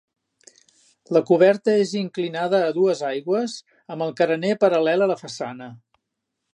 La coberta és inclinada a dues aigües amb el carener paral·lel a la façana.